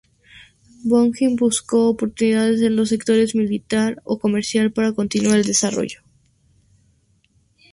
Boeing buscó oportunidades en los sectores militar o comercial para continuar el desarrollo.